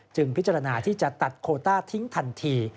พิจารณาที่จะตัดโคต้าทิ้งทันที